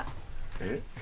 えっ？